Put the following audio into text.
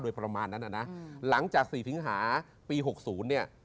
๒๒๑๘๒๒๑๙โดยประมาณนั้นนะนะหลังจาก๔ถึงหาปี๖๐เนี่ย